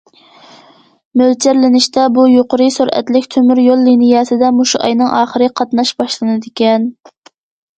مۆلچەرلىنىشىچە، بۇ يۇقىرى سۈرئەتلىك تۆمۈريول لىنىيەسىدە مۇشۇ ئاينىڭ ئاخىرى قاتناش باشلىنىدىكەن.